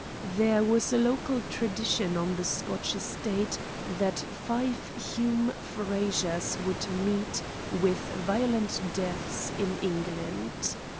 There was a local tradition on the Scotch estate that five Hume Frazers would meet with violent deaths in England.